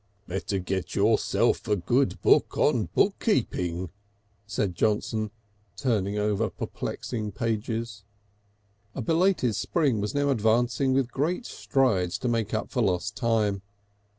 "Better get yourself a good book on bookkeeping," said Johnson, turning over perplexing pages. A belated spring was now advancing with great strides to make up for lost time.